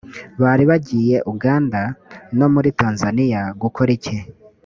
bari baragiye uganda no muri tanzaniya gukora iki